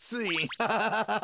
ハハハハハ。